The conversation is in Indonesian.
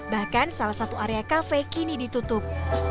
bahkan salah satu area kafe kini ditutup